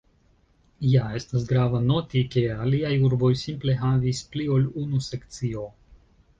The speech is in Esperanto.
Ja estas grava noti ke aliaj urboj simple havis pli ol unu sekcio.